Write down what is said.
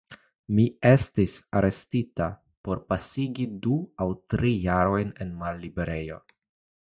Mi estis arestita por pasigi du aŭ tri tagojn en malliberejo.